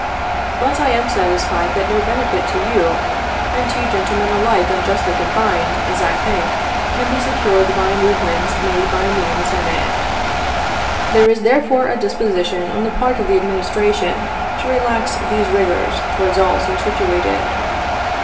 '' But I am satisfied that no benefit to you, and to gentlemen alike unjustly confined, as I think, can be secured by any movement made by me in the Senate. '' There is a disposition on the part of the Administration to relax these rigors towards all so situated.